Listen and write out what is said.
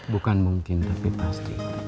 bukan mungkin tapi pasti